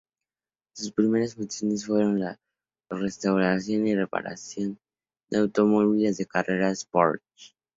Sus primeras funciones fueron las de restaurador y preparador de automóviles de carreras Porsche.